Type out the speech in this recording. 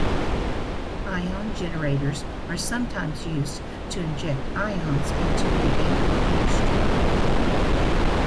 Ion generators are sometimes used to inject ions into the ambient airstream.